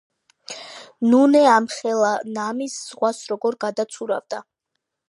ნუნე ამხელა ნამის ზღვას როგორ გადაცურავდა?